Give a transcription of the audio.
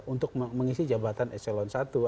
untuk mengisi jabatan eselon i